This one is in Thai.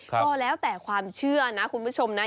ก็แล้วแต่ความเชื่อนะคุณผู้ชมนะ